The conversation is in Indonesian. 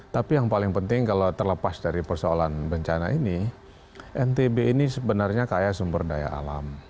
tapi yang paling penting kalau terlepas dari persoalan bencana ini ntb ini sebenarnya kaya sumber daya alam